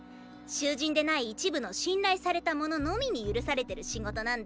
囚人でない一部の信頼された者のみに許されてる仕事なんだ。